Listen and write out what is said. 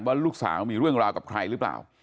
ว่าลูกสาวมีเรื่องราวกับใครหรือเปล่า